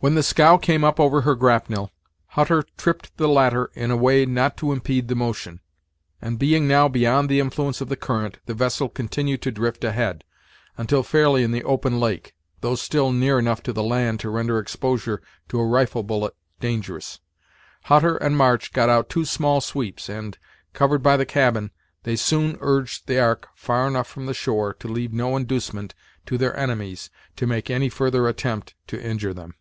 When the scow came up over her grapnel, Hutter tripped the latter in a way not to impede the motion; and being now beyond the influence of the current, the vessel continued to drift ahead, until fairly in the open lake, though still near enough to the land to render exposure to a rifle bullet dangerous. Hutter and March got out two small sweeps and, covered by the cabin, they soon urged the ark far enough from the shore to leave no inducement to their enemies to make any further attempt to injure them.